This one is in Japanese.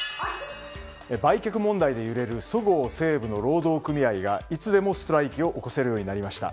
売却問題で揺れるそごう・西武の労働組合がいつでもストライキを起こせるようになりました。